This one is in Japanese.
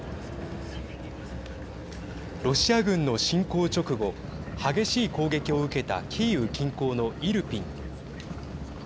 ロシア軍の侵攻直後激しい攻撃を受けたキーウ近郊のイルピン。